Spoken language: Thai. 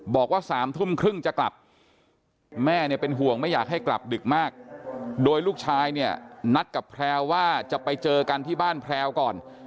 บอกว่า๓ทุ่มครึ่งจะกลับแม่เนี่ยเป็นห่วงไม่อยากให้กลับดึกมากโดยลูกชายเนี่ยนัดกับแพลวว่าจะไปเจอกันที่บ้านแพรวก่อน